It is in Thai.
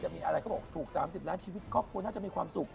มีอะไรก็บอกถูก๓๐ล้านชีวิตก็ควรมีความสุข